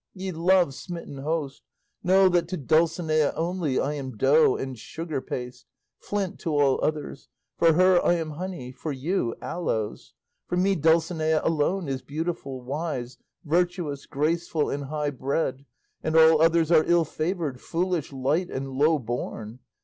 Ye love smitten host, know that to Dulcinea only I am dough and sugar paste, flint to all others; for her I am honey, for you aloes. For me Dulcinea alone is beautiful, wise, virtuous, graceful, and high bred, and all others are ill favoured, foolish, light, and low born.